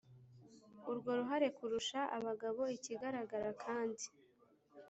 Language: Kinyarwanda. Urwo ruhare kurusha abagabo ikigaragara kandi